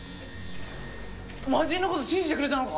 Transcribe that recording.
魔人の事信じてくれたのか！？